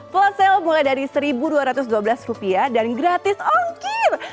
plus sale mulai dari satu dua ratus dua belas rupiah dan gratis ongkir